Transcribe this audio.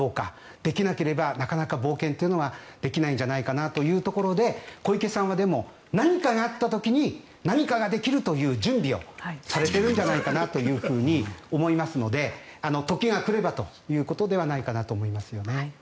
できなければなかなか冒険というのはできないんじゃないかなというところで小池さんは、でも何かがあった時に何かができるという準備をされてるんじゃないかなと思いますので時が来ればということではないかなと思います。